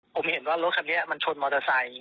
ผมเห็นว่ารถคันนี้มันชนมอเตอร์ไซค